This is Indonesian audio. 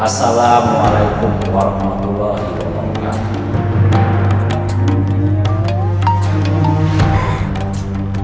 assalamualaikum warahmatullahi wabarakatuh